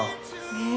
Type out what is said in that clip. ねえ。